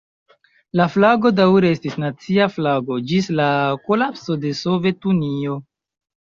La flago daŭre estis nacia flago ĝis la kolapso de Sovetunio.